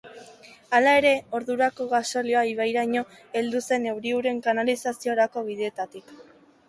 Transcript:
Hala ere, ordurako gasolioa ibairaino heldu zen euri-uren kanalizaziorako bideetatik.